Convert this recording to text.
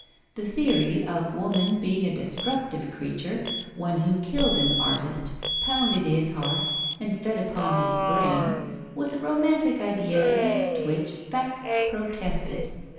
The theory of woman being a destructive creature one who killed an artist, pounded his heart, and fed upon his brain was a romantic idea against which facts protested.